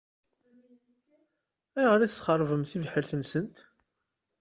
Ayɣer i tesxeṛbem tibḥirt-nsent?